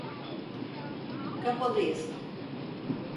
Kapalıyız.